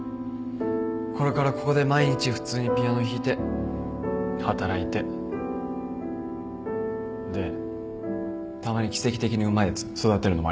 これからここで毎日普通にピアノ弾いて働いてでたまに奇跡的にうまいやつ育てるのもありかもな。